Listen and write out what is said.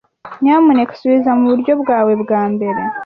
Nyamuneka subiza muburyo bwawe bwambere.